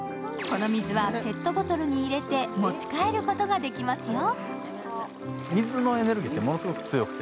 この水はペットボトルに入れて、持ち帰ることができますよ。